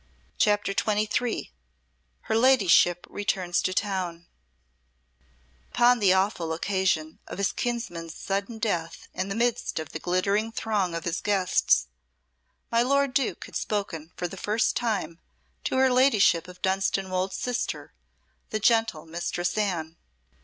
CHAPTER XXIII Her Ladyship Returns to Town Upon the awful occasion of his kinsman's sudden death in the midst of the glittering throng of his guests, my lord Duke had spoken for the first time to her ladyship of Dunstanwolde's sister, the gentle Mistress Anne.